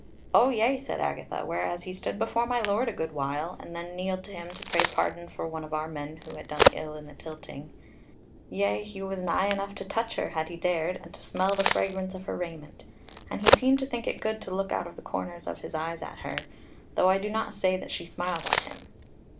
"O yea," said Agatha, "whereas he stood before my Lord a good while, and then kneeled to him to pray pardon for one of our men who had done ill in the tilting: yea, he was nigh enough to her to touch her had he dared, and to smell the fragrance of her raiment. And he seemed to think it good to look out of the corners of his eyes at her; though I do not say that she smiled on him."